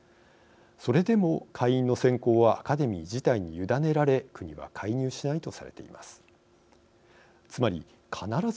それでも、会員の選考はアカデミー自体に委ねられ国は介入しないとされています。